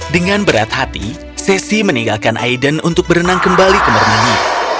dengan berat hati sesi meninggalkan aiden untuk berenang kembali ke mermeni